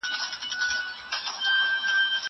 کېدای سي سينه سپين ستونزي ولري!